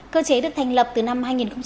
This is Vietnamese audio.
cơ chế được thành lập từ năm hai nghìn một mươi